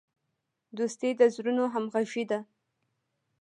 دوستي د زړونو همغږي ده.